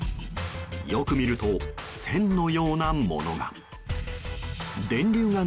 よく見ると線のようなものが。